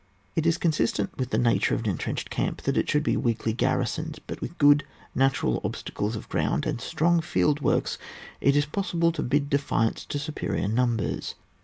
It is consistent with the nature of an entrenched camp that it should be weakly garrisoned ; but with good, natural ob stacles of ground and strong field works, it is possible to bid defiance to superior numbers.